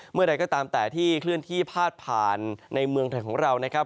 เมื่อใดก็ตามแต่ที่เคลื่อนที่พาดผ่านในเมืองไทยของเรานะครับ